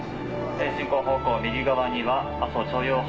進行方向右側には阿蘇長陽大橋